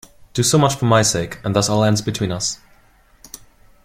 Do so much for my sake, and thus all ends between us!